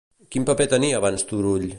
Quin paper tenia abans Turull?